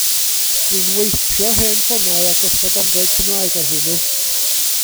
Dw i'n weipio hen ffonau a gosod Android Cymraeg arnyn nhw.